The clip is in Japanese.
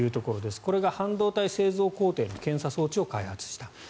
これが半導体製造工程の検査装置を開発した。